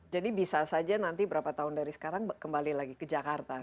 jadi bisa saja nanti berapa tahun dari sekarang kembali lagi ke jakarta gitu